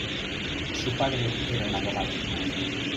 Su padre era un abogado.